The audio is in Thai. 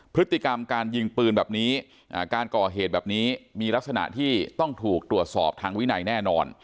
พฤติกรรมการยิงปืนแบบนี้การก่อเหตุแบบนี้มีลักษณะที่ต้องถูกตรวจสอบทางวินัยแน่นอน